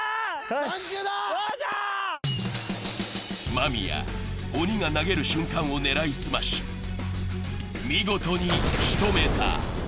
間宮、鬼が投げる瞬間を狙い澄まし、見事に仕留めた。